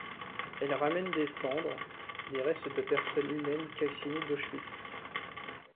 Elle ramène des cendres, des restes de personnes humaines calcinées d'Auschwitz.